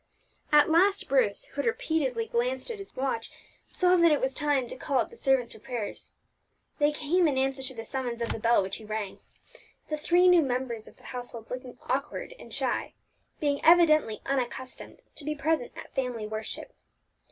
At last Bruce, who had repeatedly glanced at his watch, saw that it was time to call up the servants for prayers. They came in answer to the summons of the bell which he rang the three new members of the household looking awkward and shy, being evidently unaccustomed to be present at family worship.